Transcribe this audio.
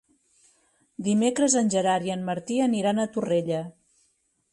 Dimecres en Gerard i en Martí aniran a Torrella.